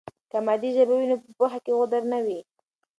که مادي ژبه وي نو په پوهه کې غدر نه وي.